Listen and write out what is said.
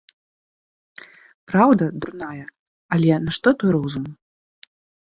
Праўда, дурная, але нашто той розум!